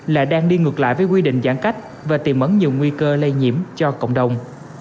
là đang đi ngược lại với quy định giãn cách và tìm mẫn nhiều nguy cơ lây nhiễm cho cộng đồng